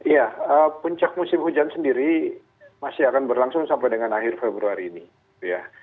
ya puncak musim hujan sendiri masih akan berlangsung sampai dengan akhir februari ini